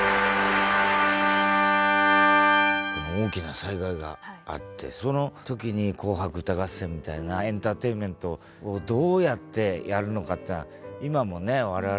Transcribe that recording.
この大きな災害があってその時に「紅白歌合戦」みたいなエンターテインメントをどうやってやるのかっていうのは今もね我々よく悩みますよね。